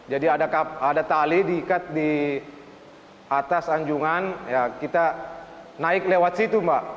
jadi ada tali diikat di atas anjungan ya kita naik lewat situ mbak